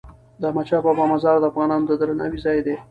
د احمدشاه بابا مزار د افغانانو د درناوي ځای دی.